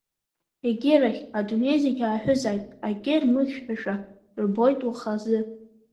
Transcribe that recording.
Егьирахь, адунеи зегь ааҳәызааит, акгьы рмыхьрашәа рбоит уахазы.